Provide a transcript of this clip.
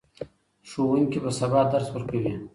ښوونکي به سبا درس ورکوي.